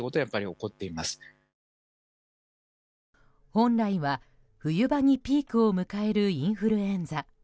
本来は冬場にピークを迎えるインフルエンザ。